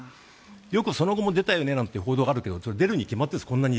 よくその後も出たよねという報道もあったけど出るに決まってるんです